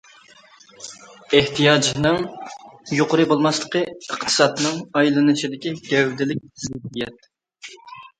ئېھتىياجنىڭ يۇقىرى بولماسلىقى ئىقتىسادنىڭ ئايلىنىشىدىكى گەۋدىلىك زىددىيەت.